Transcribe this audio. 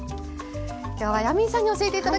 今日はヤミーさんに教えて頂きました。